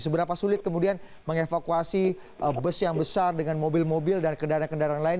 seberapa sulit kemudian mengevakuasi bus yang besar dengan mobil mobil dan kendaraan kendaraan lain